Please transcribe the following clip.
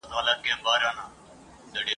له شهپر څخه یې غشی دی جوړ کړی !.